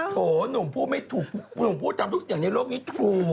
โถหนุ่มพูดไม่ถูกหนุ่มพูดทำทุกอย่างในโลกนี้ถูก